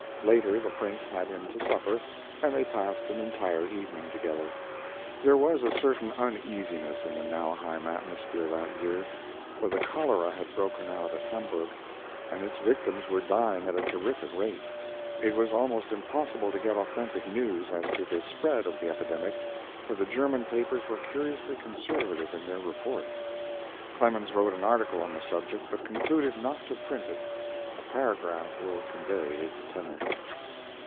Later the Prince had him to supper and they passed an entire evening together. There was a certain uneasiness in the Nauheim atmosphere that year, for the cholera had broken out at Hamburg, and its victims were dying at a terrific rate. It was almost impossible to get authentic news as to the spread of the epidemic, for the German papers were curiously conservative in their reports. Clemens wrote an article on the subject but concluded not to print it. A paragraph will convey its tenor.